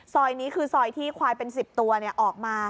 ซอยนี้คือซอยที่ควายเป็น๑๐ตัวออกมา